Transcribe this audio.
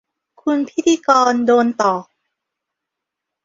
คุณพิธีกรโดนตอก